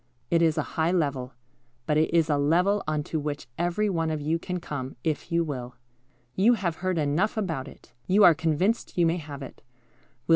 It is a high level, but it is a level on to which every one of you can come, if you will. You have heard enough about it. You are convinced you may have it.